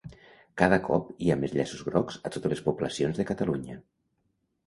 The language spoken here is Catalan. Cada cop hi ha més llaços grocs a totes les poblacions de Catalunya